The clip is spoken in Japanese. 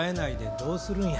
どうするんや！